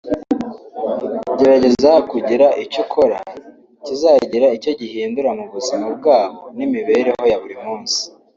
Gerageza kugira icyo ukora kizagira icyo gihindura mu buzima bwabo n’imibereho ya buri munsi